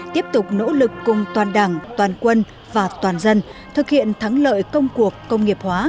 tiếp tục nỗ lực cùng toàn đảng toàn quân và toàn dân thực hiện thắng lợi công cuộc công nghiệp hóa